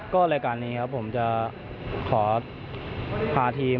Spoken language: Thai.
ก็รายการนี้ครับผมจะขอพาทีม